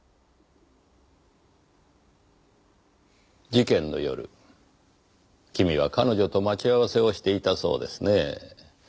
事件の夜君は彼女と待ち合わせをしていたそうですねぇ。